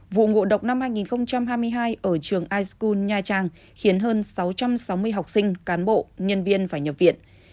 vụ ngộ độc năm hai nghìn hai mươi hai ở trường iskun nha trang khiến hơn sáu trăm sáu mươi học sinh cán bộ nhân viên phải nhập viện